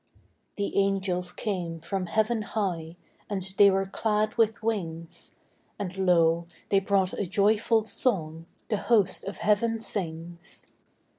The angels came from heaven high, And they were clad with wings; And lo, they brought a joyful song The host of heaven sings.